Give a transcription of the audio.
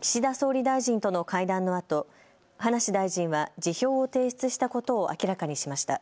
岸田総理大臣との会談のあと葉梨大臣は辞表を提出したことを明らかにしました。